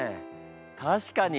確かに。